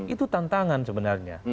itu tantangan sebenarnya